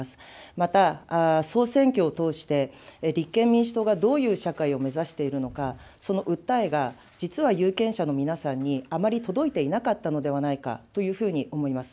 また、総選挙を通して立憲民主党がどういう社会を目指しているのか、その訴えが、実は有権者の皆さんにあまり届いていなかったのではないかというふうに思います。